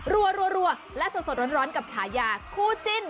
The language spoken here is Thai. รัวและสดร้อนกับฉายาคู่จิ้น